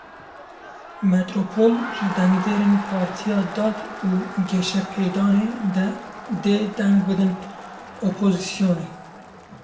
Metropol ji dengderên Partiya Dad û Geşepêdanê dê deng bidin opozisyonê.